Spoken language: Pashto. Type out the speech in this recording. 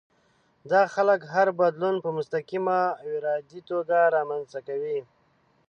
دا خلک هر بدلون په مستقيمه او ارادي توګه رامنځته کوي.